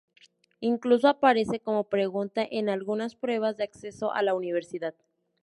Incluso aparece como pregunta en algunas pruebas de acceso a la universidad.